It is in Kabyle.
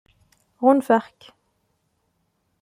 Ɣunfaɣ-k.